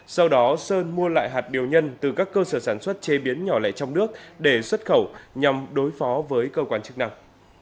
sau đó sơn mua lại hạt điều nhân từ các cơ sở sản xuất chế biến nhỏ lẻ trong nước để xuất khẩu nhằm đối phó với cơ quan chức năng